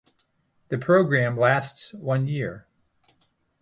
The program lasts one year.